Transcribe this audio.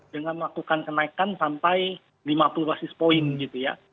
dengan melakukan kenaikan sampai lima puluh basis point gitu ya